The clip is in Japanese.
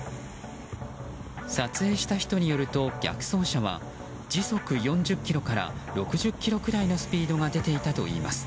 撮影した人によると逆走車は時速４０キロから６０キロくらいのスピードが出ていたといいます。